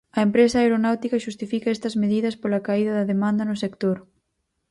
A empresa aeronáutica xustifica estas medidas pola caída da demanda no sector.